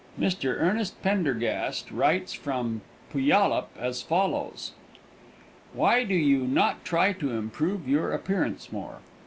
Mr. Earnest Pendergast writes from Puyallup as follows: "Why do you not try to improve your appearance more?